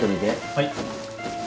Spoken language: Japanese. ・はい。